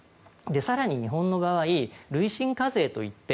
更に日本の場合は累進課税といって